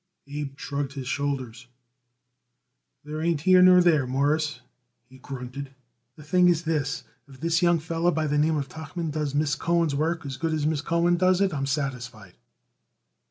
Abe shrugged his shoulders. "That ain't here nor there, Mawruss," he grunted. "The thing is this: if this young feller by the name of Tuchman does Miss Cohen's work as good as Miss Cohen does it I'm satisfied."